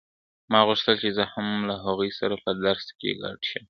ما غوښتل چې زه هم له هغوی سره په درس کې ګډه شم.